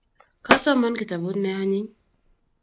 Kasoman kitabut ne anyiny